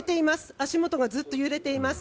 足元がずっと揺れています。